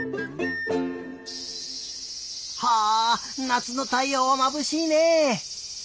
はあなつのたいようはまぶしいね。